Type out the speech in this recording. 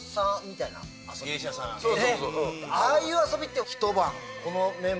ああいう遊びって。